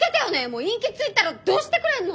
もうインキついたらどうしてくれんの！？